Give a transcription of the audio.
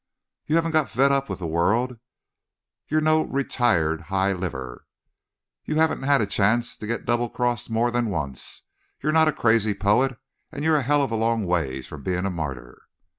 "You haven't got fed up with the world; you're no retired high liver; you haven't had a chance to get double crossed more than once; you're not a crazy poet; and you're a hell of a long ways from being a martyr.